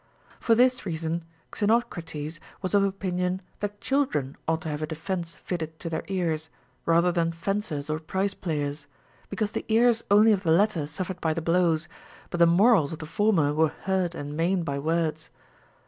For tliis reason Xenocrates was of opinion that children ought to have a defence fitted to their ears rather than fencers or prize players, because the ears only of the latter suffered by the blows, but the morals of the former Λvere hurt and maimed by words.